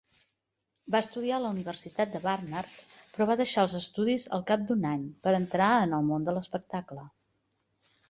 Va estudiar a la Universitat de Barnard, però va deixar els estudis al cap d'un any per entrar en el món de l'espectacle.